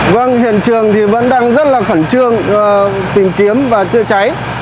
vâng hiện trường thì vẫn đang rất là khẩn trương tìm kiếm và chữa cháy